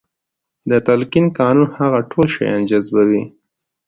د تلقين قانون هغه ټول شيان جذبوي.